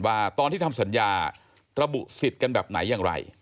ว่าตอนที่ทำสัญญาระบุสิทธิ์กันแบบไหนอย่างไร